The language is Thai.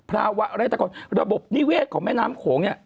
ระบบนิเวศของแม่น้ำโขง